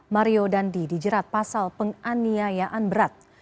mario dandi dijerat pasal penganiayaan berat